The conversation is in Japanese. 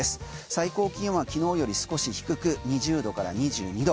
最高気温は昨日より少し低く２０度から２２度。